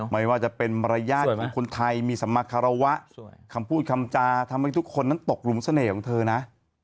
ไม่ว่าจะเป็นมารยาทของคนไทยมีสัมมาคารวะคำพูดคำจาทำให้ทุกคนนั้นตกหลุมเสน่ห์ของเธอนะ